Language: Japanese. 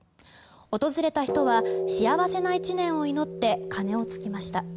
訪れた人は幸せな１年を祈って鐘をつきました。